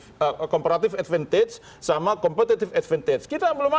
tidak mungkin terjadi yang industri kompetitif sama yang kompetitif competitif